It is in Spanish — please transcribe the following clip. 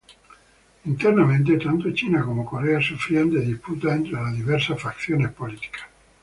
Internamente, tanto China como Corea sufrían de disputas entre las diversas facciones políticas.